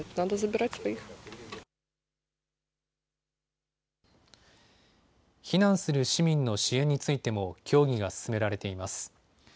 避難する市民の支援についても協議が進められています。